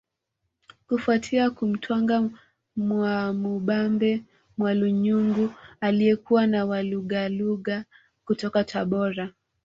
Kufuatia kumtwanga Mwamubambe Mwalunyungu aliyekuwa na walugaluga kutoka Tabora